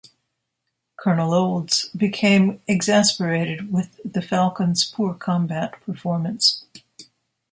Colonel Olds became exasperated with the Falcon's poor combat performance.